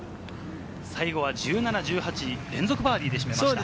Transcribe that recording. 最後は１７、１８、連続バーディーで締めました。